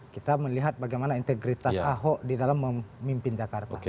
kita melihat bagaimana integritas ahok di dalam memimpin jakarta